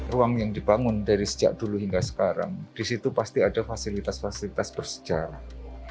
ruang yang dibangun dari sejak dulu hingga sekarang di situ pasti ada fasilitas fasilitas bersejarah